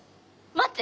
待って！